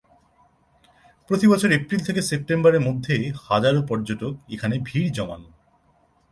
প্রতিবছর এপ্রিল থেকে সেপ্টেম্বরের মধ্যে হাজারো পর্যটক এখানে ভীড় জমান।